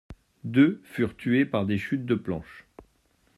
Deux furent tués par des chutes de planches.